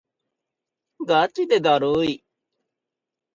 がちでだるい